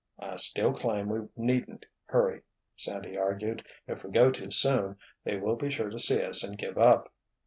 "I still claim we needn't hurry," Sandy argued. "If we go too soon, they will be sure to see us and give up."